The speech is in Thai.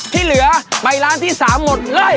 ที่เหลือไปร้านที่๓หมดเลย